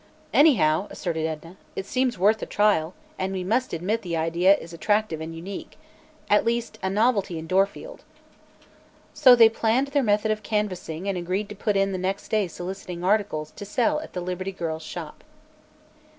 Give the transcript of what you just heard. "Anyhow," asserted Edna, "it seems worth a trial, and we must admit the idea is attractive and unique at least a novelty in Dorfield." So they planned their method of canvassing and agreed to put in the next day soliciting articles to sell at the Liberty Girls' Shop.